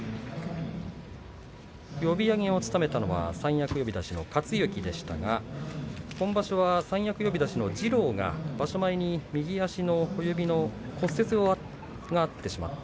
呼び上げを務めたのは三役呼出しの克之でしたが今場所は三役呼出しの次郎が場所前に右足の指の骨折がありました。